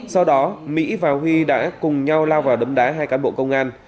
sau đó mỹ và huy đã cùng nhau lao vào đấm đá hai cán bộ công an